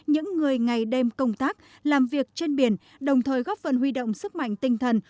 những người ngày đêm công tác làm việc trên biển đồng thời góp phần huy động sức mạnh tinh thần